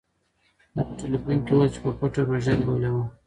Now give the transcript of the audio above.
ده په ټیلیفون کې وویل چې په پټه روژه نیولې وه.